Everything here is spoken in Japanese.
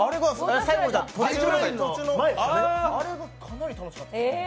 途中の、あれがかなり楽しかったです。